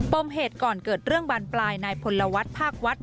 ปมเหตุก่อนเกิดเรื่องบรรปลายในพลวัฒน์ภาควัฒน์